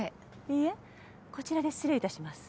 いえこちらで失礼いたします。